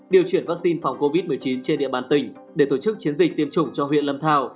điều chuyển vaccine phòng covid một mươi chín trên địa bàn tỉnh để tổ chức chiến dịch tiêm chủng cho huyện lâm thao